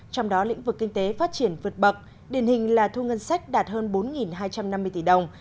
trong đó lĩnh vực kinh tế phát triển vượt bậc điển hình là thu ngân sách đạt hơn bốn hai trăm năm mươi tỷ đồng